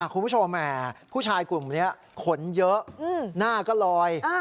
คุณผู้ชมแหมผู้ชายกลุ่มนี้ขนเยอะหน้าก็ลอย